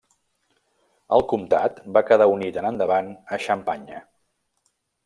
El comtat va quedar unit en endavant a Xampanya.